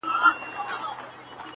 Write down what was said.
• چي لمن د شپې خورېږي ورځ تېرېږي.